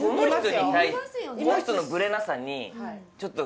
この人のブレなさにちょっと。